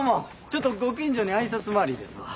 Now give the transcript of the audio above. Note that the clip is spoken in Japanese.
ちょっとご近所に挨拶回りですわ。